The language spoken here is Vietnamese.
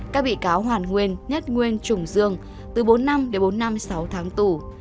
các bị cáo hoàn nguyên nhất nguyên trùng dương từ bốn năm đến bốn năm sáu tháng tù